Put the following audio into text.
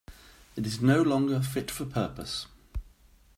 It is no longer fit for purpose.